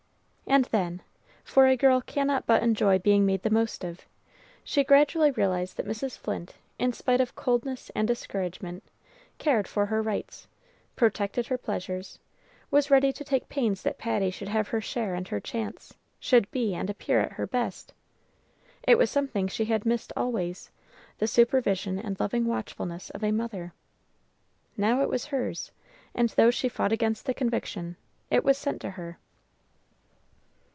And then for a girl cannot but enjoy being made the most of she gradually realized that Mrs. Flint, in spite of coldness and discouragement, cared for her rights, protected her pleasures, was ready to take pains that Patty should have her share and her chance, should be and appear at her best. It was something she had missed always, the supervision and loving watchfulness of a mother. Now it was hers; and, though she fought against the conviction, it was sent to her.